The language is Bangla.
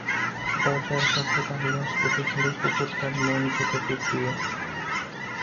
দরজায় কাছে গাড়ি আসতে দেখলেই কুকুরটার মন যেত বিগড়িয়ে।